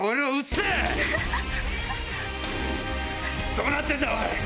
どうなってんだ⁉おい！